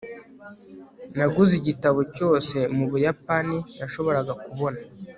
naguze igitabo cyose mubuyapani nashoboraga kubona